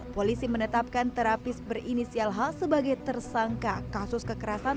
polisi menetapkan terapis berinisial h sebagai tersangka kasus kekerasan